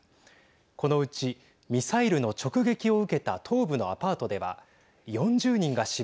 このうちミサイルの直撃を受けた東部のアパートでは４０人が死亡。